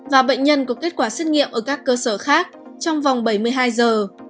và bệnh nhân có kết quả xét nghiệm ở các cơ sở khác trong vòng bảy mươi hai giờ